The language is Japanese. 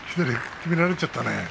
きめられちゃったね。